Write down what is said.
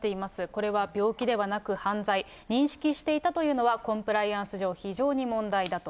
これは病気ではなく犯罪。認識していたというのはコンプライアンス上非常に問題だと。